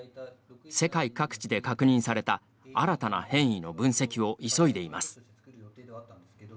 世界各地で確認された新たな変異の分析を急いでいます。